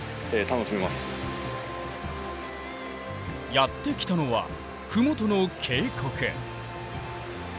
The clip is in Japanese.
やって来たのは麓の渓谷。